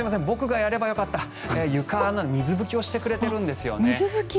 僕がやればよかった床の水拭きをしてくれているんですよね。